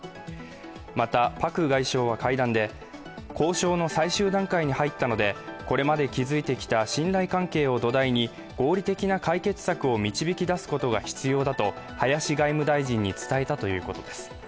また、パク外相は会談で、交渉の最終段階に入ったのでこれまで築いてきた信頼関係を土台に合理的な解決策を導き出すことが必要だと林外務大臣に伝えたということです。